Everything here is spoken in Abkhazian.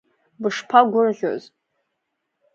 Бышԥагәырӷьоз!